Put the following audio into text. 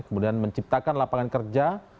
kemudian menciptakan lapangan kerja